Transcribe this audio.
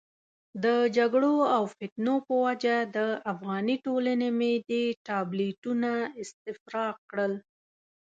د جګړو او فتنو په وجه د افغاني ټولنې معدې ټابلیتونه استفراق کړل.